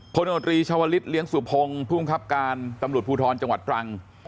โนตรีชาวลิศเลี้ยงสุพงศ์ภูมิคับการตำรวจภูทรจังหวัดตรัง